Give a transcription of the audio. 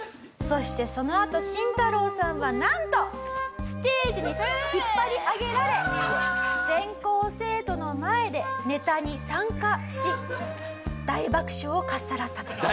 そしてそのあとシンタロウさんはなんとステージに引っ張り上げられ全校生徒の前でネタに参加し大爆笑をかっさらったと。